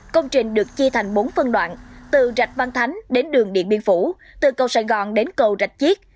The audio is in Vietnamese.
công trình được chia thành bốn phân đoạn từ rạch văn thánh đến đường điện biên phủ từ cầu sài gòn đến cầu rạch chiếc